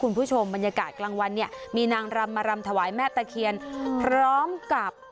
คุณผู้ชมบรรยากาศกลางวันเนี่ยมีนางรำมารำถวายแม่ตะเคียนพร้อมกับ